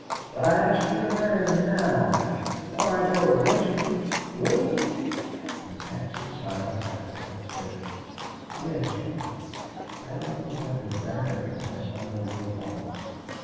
"But I asked you to marry me now before I go next week will you?" And Patsy sighing happily said, "Yes, Ralph; I don't think I could bear it unless I were your wife."